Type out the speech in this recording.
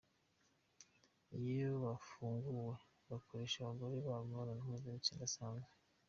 Iyo bafunguwe bakoresha abagore babo imibonano mpuzabitsina idasanzwe